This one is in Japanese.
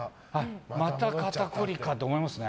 また肩こりかと思いますね。